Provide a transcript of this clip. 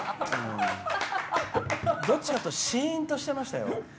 どっちかっていうとシーンとしてましたよ。